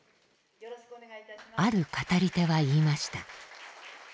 ある語り手は言いました。